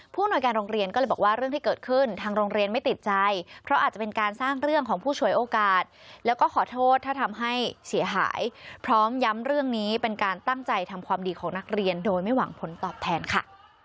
อำนวยการโรงเรียนก็เลยบอกว่าเรื่องที่เกิดขึ้นทางโรงเรียนไม่ติดใจเพราะอาจจะเป็นการสร้างเรื่องของผู้ฉวยโอกาสแล้วก็ขอโทษถ้าทำให้เสียหายพร้อมย้ำเรื่องนี้เป็นการตั้งใจทำความดีของนักเรียนโดยไม่หวังผลตอบแทนค่ะ